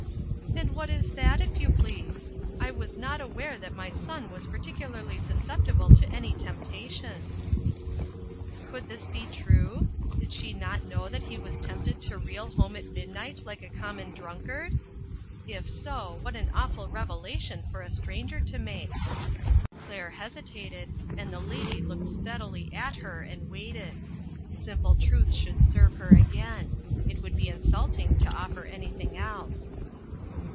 " And what is that, if you please ? I was not aware that my son was particularly sus ceptible to any temptation." 354 INTERRUPTED. Could this be true ? Did she not know that he was tempted to reel home at mid night like a common drunkard ? If so, what an awful revelation for a stranger to make ! Claire hesitated, and the lady looked stead ily at her and waited. Simple truth should serve her again ; it would be insulting to offer anything else.